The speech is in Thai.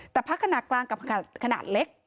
แต่พักขนาดกลางกับขนาดเล็ก